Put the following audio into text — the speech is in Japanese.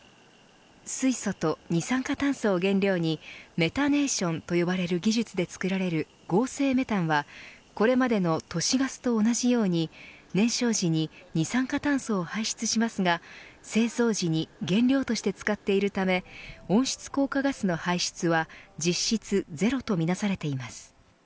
水素と二酸化炭素を原料にメタネーションと呼ばれる技術で作られる合成メタンはこれまでの都市ガスと同じように燃焼時に二酸化炭素を排出しますが製造時に原料として使っているため温室効果ガスの排出は実質ゼロとみなされています。